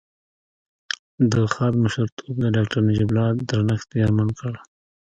د خاد مشرتوب د داکتر نجيب الله درنښت زیانمن کړ